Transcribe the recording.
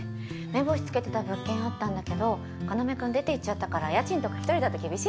めぼしつけてた物件あったんだけど要くん出て行っちゃったから家賃とか１人だと厳しいんだよね。